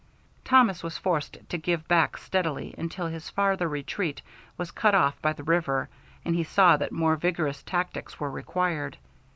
Thomas was forced to give back steadily until his farther retreat was cut off by the river and he saw that more vigorous tactics were required.